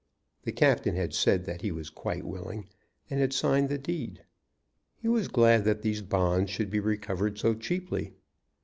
The captain had said that he was quite willing, and had signed the deed. He was glad that these bonds should be recovered so cheaply.